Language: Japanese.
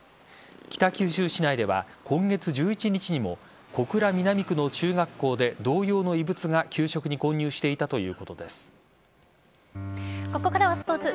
北九州市内では今月１１日にも小倉南区の中学校で同様の異物が給食にここからはスポーツ。